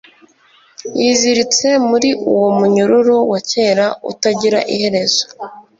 yiziritse muri uwo munyururu wa kera utagira iherezo